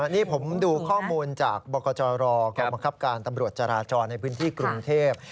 นี่ผมดูข้อมูลจากบกจรกองบังคับการตำรวจจราจรในพื้นที่กรุงเทพ